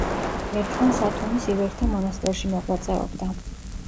ერთხანს ათონის ივერთა მონასტერში მოღვაწეობდა.